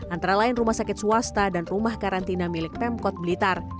antara lain rumah sakit swasta dan rumah karantina milik pemkot blitar